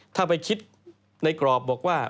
ถ้าไปคิดในกรอบบอกว่า